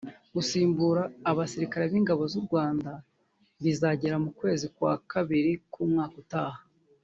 Gusimbura abasirikare b’Ingabo z’u Rwanda bizagera mu kwezi kwa Kabiri k’umwaka utaha